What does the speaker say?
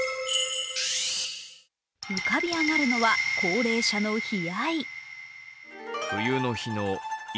浮かび上がるのは高齢者の悲哀。